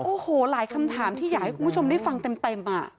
โอ้โหหลายคำถามที่อยากให้คุณผู้ชมได้ฟังเต็ม